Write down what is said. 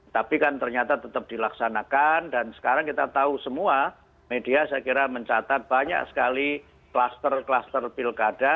tapi kan ternyata tetap dilaksanakan dan sekarang kita tahu semua media saya kira mencatat banyak sekali kluster kluster pilkada